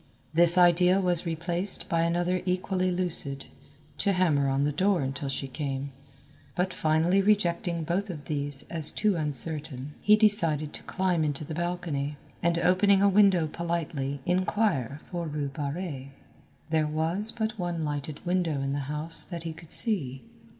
This idea was replaced by another equally lucid, to hammer on the door until she came; but finally rejecting both of these as too uncertain, he decided to climb into the balcony, and opening a window politely inquire for Rue Barrée. There was but one lighted window in the house that he could see.